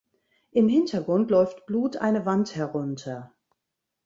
Im Hintergrund läuft Blut eine Wand herunter.